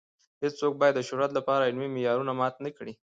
هیڅوک باید د شهرت لپاره علمي معیارونه مات نه کړي.